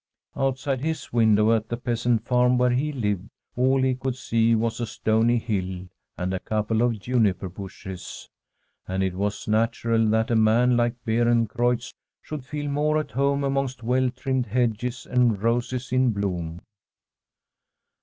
Outside his window at the peasant farm where he lived all he could see was a stony hill and a couple of juniper bushes; and it was natural that a man like Beerencreutz should feel more at home amongst well trimmed hedges and roses in bloom.